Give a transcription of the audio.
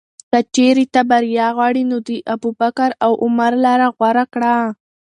که چېرې ته بریا غواړې، نو د ابوبکر او عمر لاره غوره کړه.